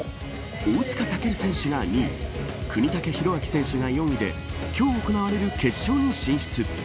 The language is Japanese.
大塚健選手が２位國武大晃選手が４位で今日、行われる決勝に進出。